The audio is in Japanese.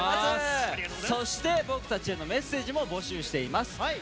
そして僕たちへのメッセージも募集しています。